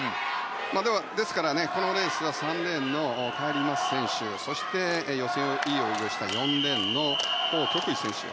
ですから、このレースは３レーンのカイリー・マス選手そして、予選でいい泳ぎをした４レーンのホウ・キョクイ選手。